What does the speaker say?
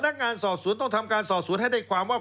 นักงานสอบสวนต้องทำการสอบสวนให้ได้ความว่า